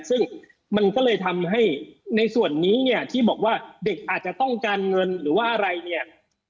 ซึ่งมันก็เลยทำให้ในส่วนนี้เนี่ยที่บอกว่าเด็กอาจจะต้องการเงินหรือว่าอะไรเนี่ย